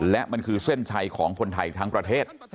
และมันคือเส้นชัยของคนไทยทั้งประเทศ